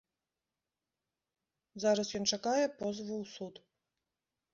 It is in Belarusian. Зараз ён чакае позву ў суд.